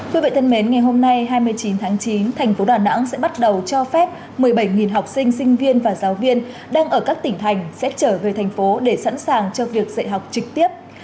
quý vị thân mến ngày hôm nay hai mươi chín tháng chín thành phố đà nẵng sẽ bắt đầu cho phép một mươi bảy học sinh sinh viên và giáo viên đang ở các tỉnh thành sẽ trở về thành phố để sẵn sàng cho việc dạy học trực tiếp